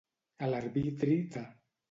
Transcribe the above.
A l'arbitri de.